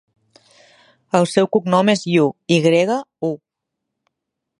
El seu cognom és Yu: i grega, u.